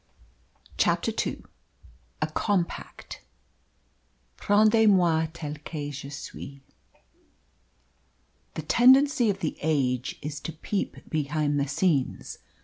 CHAPTER II. A COMPACT. Prends moy tel que je suy. The tendency of the age is to peep behind the scenes.